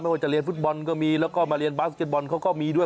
ว่าจะเรียนฟุตบอลก็มีแล้วก็มาเรียนบาสเก็ตบอลเขาก็มีด้วย